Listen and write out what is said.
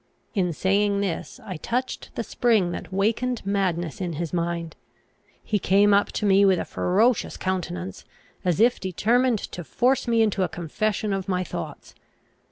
In saying this I touched the spring that wakened madness in his mind. He came up to me with a ferocious countenance, as if determined to force me into a confession of my thoughts.